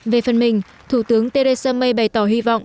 về phần mình thủ tướng theresa may bày tỏ hy vọng